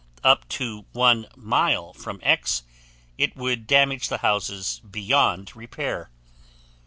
Up to 1 mile from X it would damage the houses beyond repair.